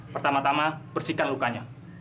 pertama tama bersihkan lukanya